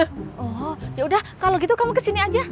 oh yaudah kalau gitu kamu kesini aja